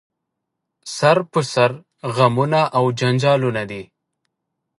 سر په سر غمونه او جنجالونه دي